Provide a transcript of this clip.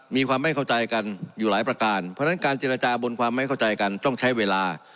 มีความไม่เข้าใจกันอยู่หลายประการเพราะฉะนั้นการเจรจาบนความไม่เข้าใจกันต้องใช้เวลา